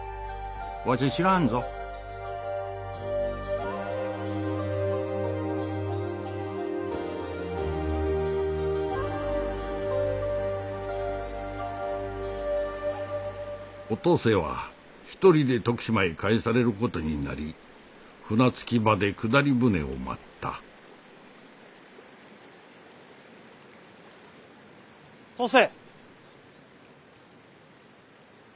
わしゃ知らんぞお登勢は一人で徳島へ帰されることになり船着き場で下り船を待った・登勢。